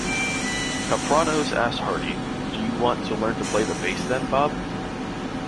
Kapranos asked Hardy, "Do you want to learn to play the bass then, Bob?".